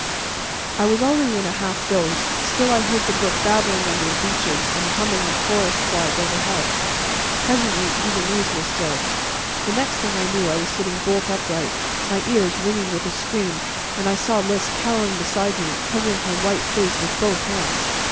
I was already in a half doze; still I heard the brook babbling under the beeches and the humming of forest flies overhead. Presently even these were stilled. The next thing I knew I was sitting bolt upright, my ears ringing with a scream, and I saw Lys cowering beside me, covering her white face with both hands.